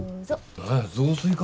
何や雑炊か。